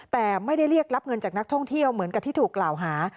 แต่ไม่ได้เรียกรับเงินจากนักท่องเที่ยวเหมือนกับที่ถูกกล่าวหา